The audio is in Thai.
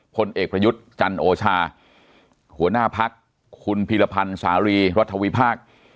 พลเอกประยุทธ์จันโอชาหัวหน้าพักคุณพีรพันธ์สารีรัฐวิพากษ์